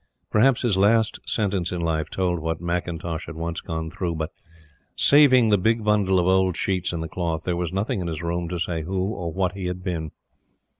Perhaps his last sentence in life told what McIntosh had once gone through; but, saving the big bundle of old sheets in the cloth, there was nothing in his room to say who or what he had been.